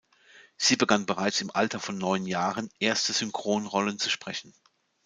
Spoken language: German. Sie begann bereits im Alter von neun Jahren, erste Synchronrollen zu sprechen.